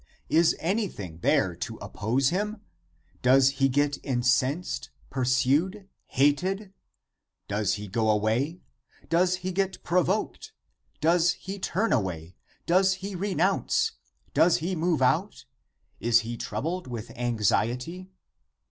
Is anything there to oppose him ? Does he get incensed — pursued — hated ? Does he go away — does he get provoked — does he turn away — does he renounce — does he move out — is he troubled with anxiety?